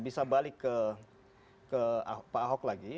bisa balik ke pak ahok lagi